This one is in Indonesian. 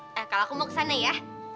nah kalau aku mau ke sana ya